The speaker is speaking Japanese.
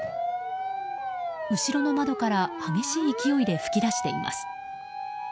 後ろの窓から激しい勢いで噴き出しています。